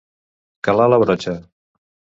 Calar la brotxa.